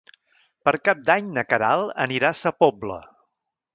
Per Cap d'Any na Queralt anirà a Sa Pobla.